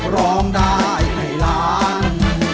ร้องได้ให้ล้าน